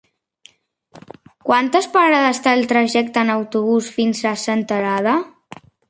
Quantes parades té el trajecte en autobús fins a Senterada?